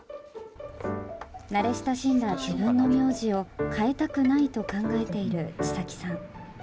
慣れ親しんだ自分の名字を変えたくないと考えている知咲さん。